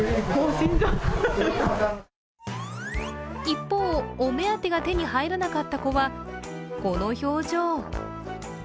一方、お目当てが手に入らなかった子は、この表情。